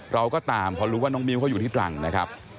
เราก็ตามพอรู้ว่าน้องมิ้วเขาอยู่ที่ตรังนะครับ